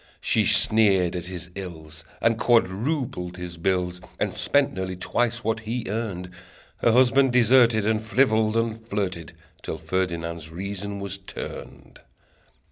She sneered at his ills, And quadrupled his bills, And spent nearly twice what he earned; Her husband deserted, And frivoled, and flirted, Till Ferdinand's reason was turned.